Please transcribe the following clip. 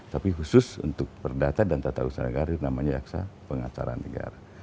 tapi khusus untuk perdata dan tandusan negara namanya jaksa pengacara negara